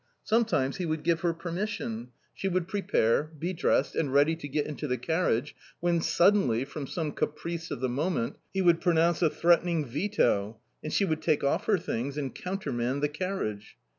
Sometimes he would give her permission — she would prepare, be dressed and ready to get into the carriage — when suddenly, from some caprice of the moment, he would pronounce a threatening veto ! and she would take off her things and countermand the carriage.